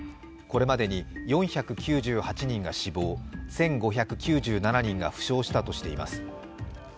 これまでに４９８人が死亡、１５９７人が負傷したとしています。